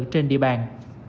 trên địa bàn